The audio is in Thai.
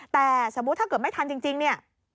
แต่สมมุติถ้าเกิดไม่ทันจริงเนี่ย